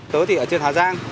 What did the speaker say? tớ thì ở trên hà giang